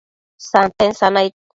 santen sanaid